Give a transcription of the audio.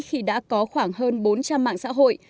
khi đã có khoảng hơn bốn trăm linh mạng xã hội